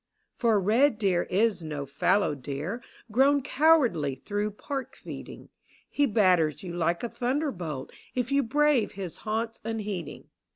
86 For a red deer is no fallow deer Crown cowardly through park feeding ; Be batters you like a thunderbolt If you brave his haunts unheeding.